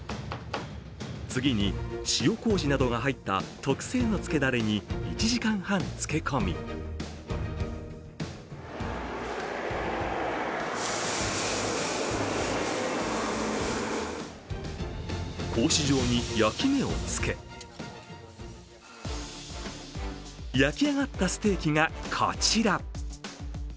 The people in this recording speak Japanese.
次に、塩こうじなどが入った特製の漬けだれに１時間半漬け込み格子状に焼き目をつけ焼き上がったステーキがこちら。